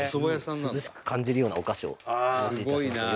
涼しく感じるようなお菓子をお持ちいたしました。